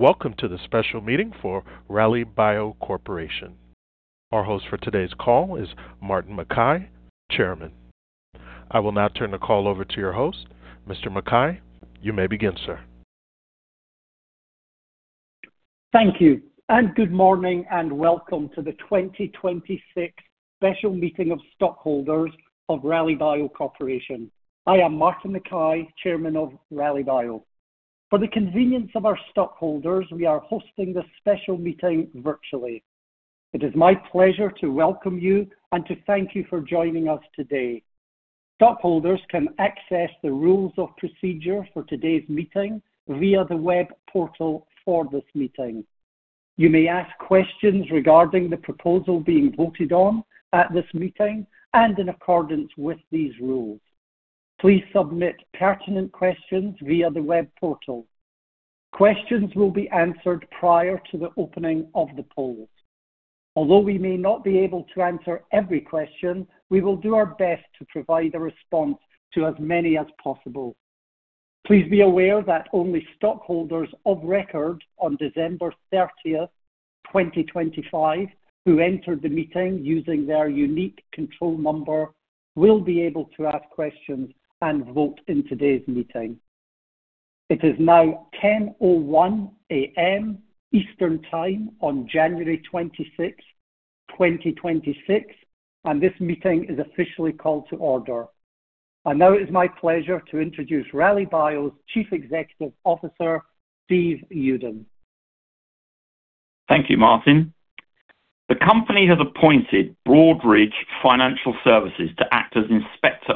Welcome to the special meeting for Rallybio Corporation. Our host for today's call is Martin Mackay, Chairman. I will now turn the call over to your host, Mr. Mackay. You may begin, sir. Thank you, and good morning, and welcome to the 2026 Special Meeting of Stockholders of Rallybio Corporation. I am Martin Mackay, Chairman of Rallybio. For the convenience of our stockholders, we are hosting this special meeting virtually. It is my pleasure to welcome you and to thank you for joining us today. Stockholders can access the rules of procedure for today's meeting via the web portal for this meeting. You may ask questions regarding the proposal being voted on at this meeting and in accordance with these rules. Please submit pertinent questions via the web portal. Questions will be answered prior to the opening of the polls. Although we may not be able to answer every question, we will do our best to provide a response to as many as possible. Please be aware that only stockholders of record on December 30th, 2025, who entered the meeting using their unique control number will be able to ask questions and vote in today's meeting. It is now 10:01 A.M. Eastern Time on January 26th, 2026, and this meeting is officially called to order. Now it is my pleasure to introduce Rallybio's Chief Executive Officer, Stephen Uden. Thank you, Martin. The company has appointed Broadridge Financial Services to act as Inspector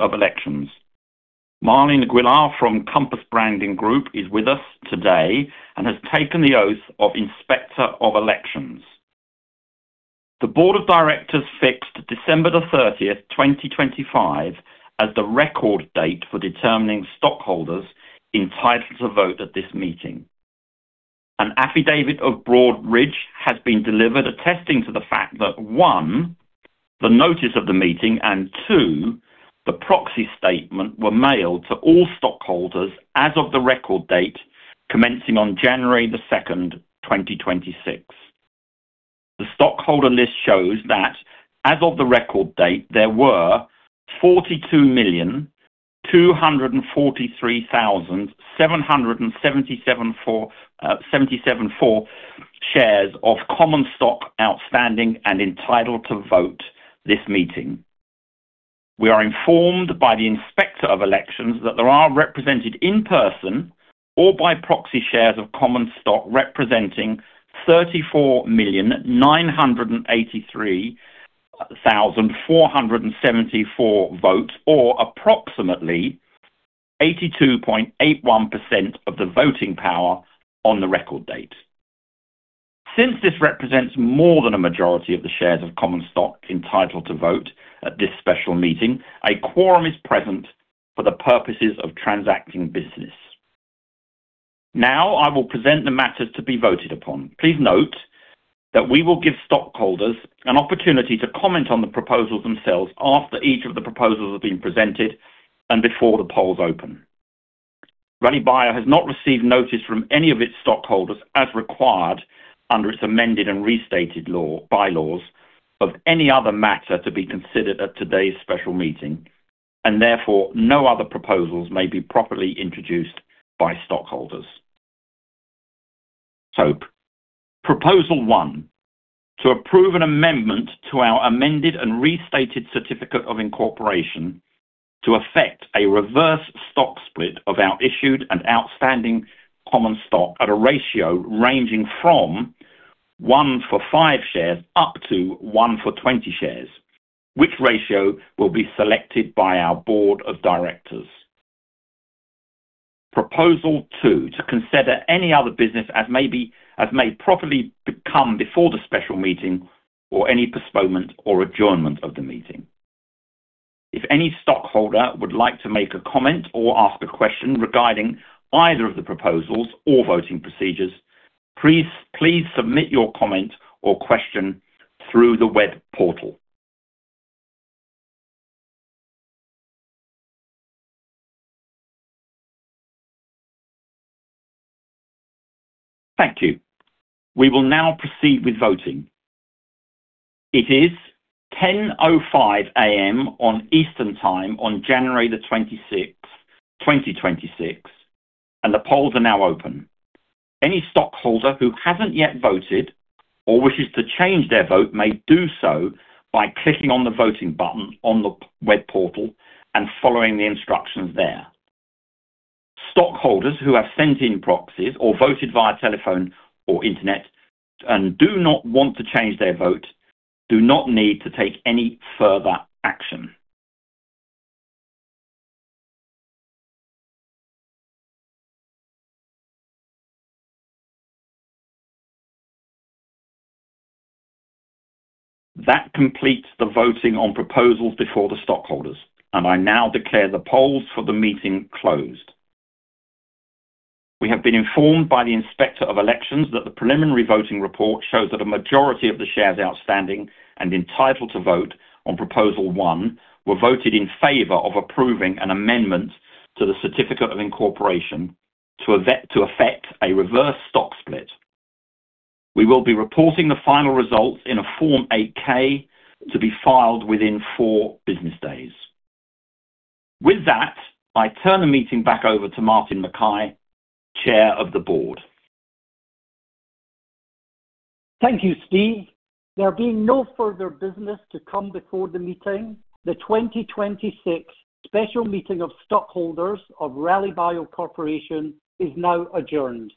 of Elections. Marlene Aguilar from Compass Branding Group is with us today and has taken the oath of Inspector of Elections. The Board of Directors fixed December 30th, 2025, as the record date for determining stockholders entitled to vote at this meeting. An affidavit of Broadridge has been delivered attesting to the fact that, 1, the notice of the meeting, and 2, the proxy statement were mailed to all stockholders as of the record date commencing on January 2nd, 2026. The stockholder list shows that, as of the record date, there were 42,243,777 shares of common stock outstanding and entitled to vote this meeting. We are informed by the Inspector of Elections that there are represented in person or by proxy shares of common stock representing 34,983,474 votes, or approximately 82.81% of the voting power on the record date. Since this represents more than a majority of the shares of common stock entitled to vote at this special meeting, a quorum is present for the purposes of transacting business. Now I will present the matters to be voted upon. Please note that we will give stockholders an opportunity to comment on the proposals themselves after each of the proposals have been presented and before the polls open. Rallybio has not received notice from any of its stockholders, as required under its amended and restated by-laws, of any other matter to be considered at today's special meeting, and therefore no other proposals may be properly introduced by stockholders. Proposal 1: to approve an amendment to our Amended and Restated Certificate of Incorporation to effect a reverse stock split of our issued and outstanding common stock at a ratio ranging from 1:5 shares up to 1:20 shares, which ratio will be selected by our Board of Directors. Proposal 2: to consider any other business as may properly come before the special meeting or any postponement or adjournment of the meeting. If any stockholder would like to make a comment or ask a question regarding either of the proposals or voting procedures, please submit your comment or question through the web portal. Thank you. We will now proceed with voting. It is 10:05 A.M. Eastern Time on January 26th, 2026, and the polls are now open. Any stockholder who hasn't yet voted or wishes to change their vote may do so by clicking on the voting button on the web portal and following the instructions there. Stockholders who have sent in proxies or voted via telephone or internet and do not want to change their vote do not need to take any further action. That completes the voting on proposals before the stockholders, and I now declare the polls for the meeting closed. We have been informed by the Inspector of Elections that the preliminary voting report shows that a majority of the shares outstanding and entitled to vote on Proposal 1 were voted in favor of approving an amendment to the certificate of incorporation to effect a reverse stock split. We will be reporting the final results in a Form 8-K to be filed within four business days. With that, I turn the meeting back over to Martin Mackay, Chair of the Board. Thank you, Steve. There being no further business to come before the meeting, the 2026 Special Meeting of Stockholders of Rallybio Corporation is now adjourned.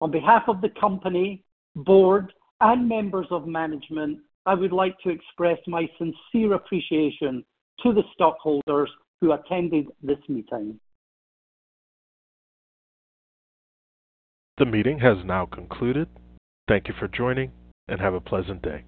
On behalf of the company, Board, and members of management, I would like to express my sincere appreciation to the stockholders who attended this meeting. The meeting has now concluded. Thank you for joining, and have a pleasant day.